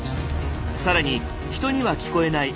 更に人には聞こえない